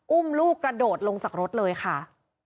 อุ้มลูกกระโดดลงจากรถเลยค่ะ